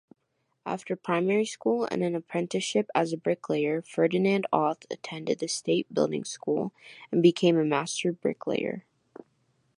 After primary school and an apprenticeship as a bricklayer, Ferdinand Auth attended the state building school and became a master bricklayer.